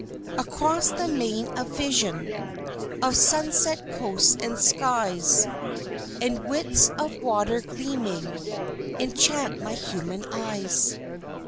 Across the main a vision Of sunset coasts and skies, And widths of waters gleaming, Enchant my human eyes.